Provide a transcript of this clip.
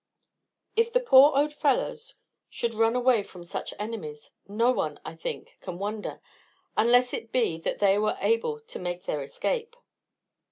If the poor old fellows should run away from such enemies, no one I think can wonder, unless it be that they were able to make their escape.